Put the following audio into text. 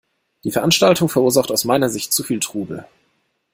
Die Veranstaltung verursacht aus meiner Sicht zu viel Trubel.